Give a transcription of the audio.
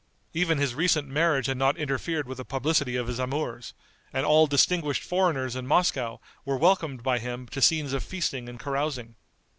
Even his recent marriage had not interfered with the publicity of his amours, and all distinguished foreigners in Moscow were welcomed by him to scenes of feasting and carousing.